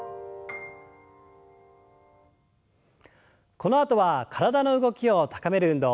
このあとは体の動きを高める運動。